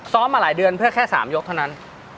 มาหลายเดือนเพื่อแค่๓ยกเท่านั้น